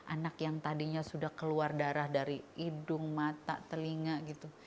anak yang tadinya sudah keluar darah dari hidung mata telinga gitu